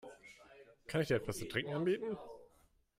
Kann ich dir etwas zu trinken anbieten?